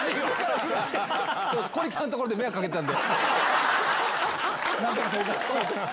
小力さんのところで迷惑かけてたんで。